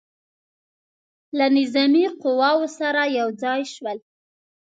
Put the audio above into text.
له نظامي قواوو سره یو ځای شول.